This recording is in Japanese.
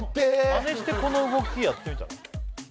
まねしてこの動きやってみたら？